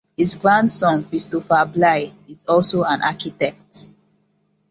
His grandson Christopher Bligh is also an architect.